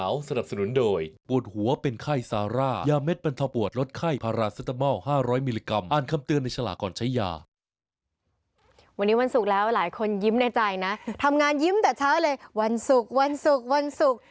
วันนี้วันศุกร์แล้วหลายคนยิ้มในใจนะทำงานยิ้มแต่เช้าเลยวันศุกร์วันศุกร์วันศุกร์